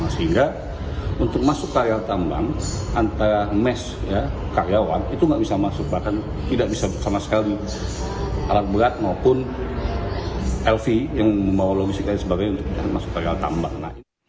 sehingga untuk masuk ke areal tambang antara mes karyawan itu nggak bisa masuk bahkan tidak bisa sama sekali alat berat maupun lv yang membawa logistik lain sebagainya untuk bisa masuk areal tambang